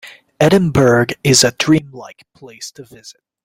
Edinburgh is a dream-like place to visit.